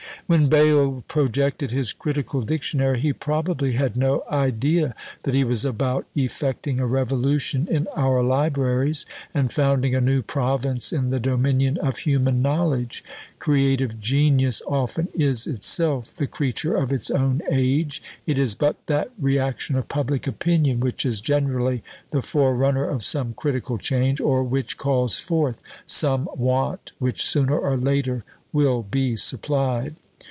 When Bayle projected his "Critical Dictionary," he probably had no idea that he was about effecting a revolution in our libraries, and founding a new province in the dominion of human knowledge; creative genius often is itself the creature of its own age: it is but that reaction of public opinion, which is generally the forerunner of some critical change, or which calls forth some want which sooner or later will be supplied.